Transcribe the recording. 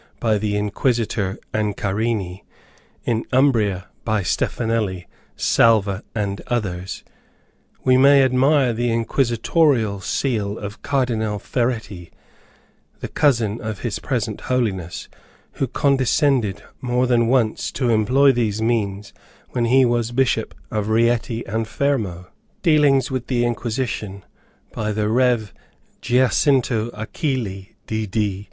by the Inquisitor Ancarani in Umbria by Stefanelli, Salva, and others, we may admire the inquisitorial seal of Cardinal Feretti, the cousin of his present holiness, who condescended more than once to employ these means when he was bishop of Rieti and Fermo." Dealings with the Inquisition, by the Rev. Giacinto Achilli D. D.